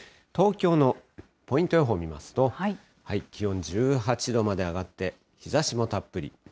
東京のポイント予報見ますと、気温１８度まで上がって、日ざしもたっぷり。